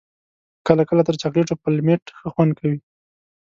کله کله تر چاکلېټو پلمېټ ښه خوند کوي.